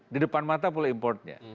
di depan mata boleh importnya